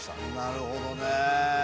なるほどね。